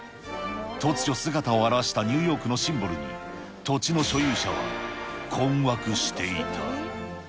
突如、姿を現したニューヨークのシンボルに、土地の所有者は困惑していた。